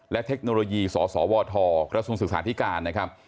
และเทคโนโลยีสสวทกระทรวงศึกษาธิการนะครับ